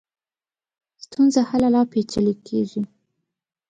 ستونزه هله لا پېچلې کېږي.